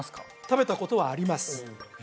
食べたことはあります